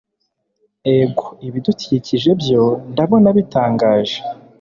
ego ibidukikije byo ndabona bitangaje